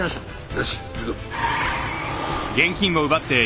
よし行くぞ。